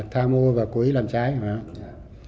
tha mô và cố ý làm trái phải không ạ